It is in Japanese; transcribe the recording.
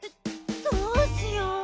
どうしよう。